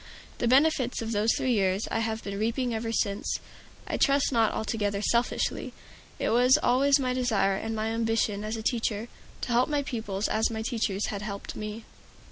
The benefits of those three years I have been reaping ever since, I trust not altogether selfishly. It was always my desire and my ambition as a teacher, to help my pupils as my teachers had helped me.